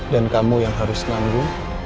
dan kamu yang harus nanggu